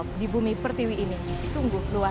bu bu lihat tuh